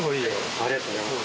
ありがとうございます。